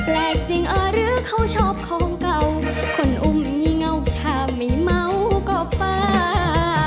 แปลกจริงหรือเขาชอบของเก่าคนอุ้มงี่เงาถ้าไม่เมาก็ป้า